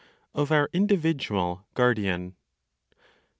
Of Our Individual Guardian.